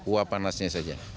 uap panasnya saja